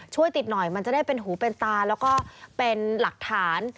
ช่วยติดหน่อยมันจะได้เป็นหูเป็นตาแล้วก็เป็นหลักฐาน